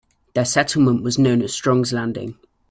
Their settlement was known as Strong's Landing.